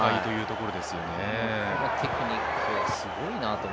このテクニックはすごいなと。